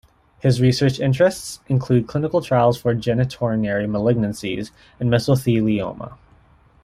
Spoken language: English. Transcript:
His research interests include clinical trials for genitourinary malignancies and mesothelioma.